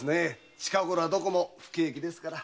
近ごろはどこも不景気ですから。